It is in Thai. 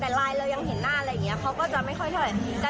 แต่ไลน์เรายังเห็นหน้าอะไรอย่างนี้เขาก็จะไม่ค่อยเท่าไหร่